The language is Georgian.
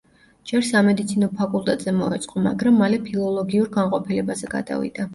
ჯერ სამედიცინო ფაკულტეტზე მოეწყო, მაგრამ მალე ფილოლოგიურ განყოფილებაზე გადავიდა.